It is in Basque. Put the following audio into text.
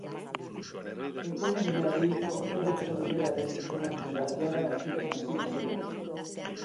Ekonomilari ortodoxo liberalen izenak dira jada entzuten hasi direnak.